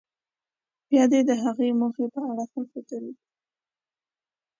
بیا دې د هغې موخې په اړه ښه فکر وکړي.